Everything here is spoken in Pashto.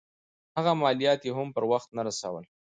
هغه مالیات یې هم پر وخت نه رسول.